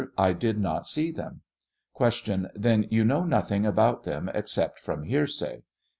I did not see them. Q. Then you know nothing about them except from hearsay